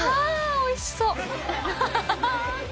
おいしそう！